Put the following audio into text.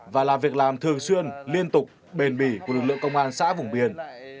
và là việc làm thường xuyên liên tục bền bỉ của lực lượng công an xã vũng biên